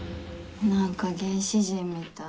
何か原始人みたい。